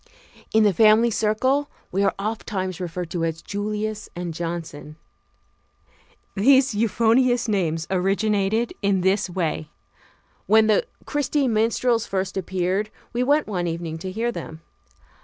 In the family circle we are ofttimes referred to as "Julius" and "Johnson." These euphonious names originated in this way: When the Christy Minstrels first appeared, we went one evening to hear them.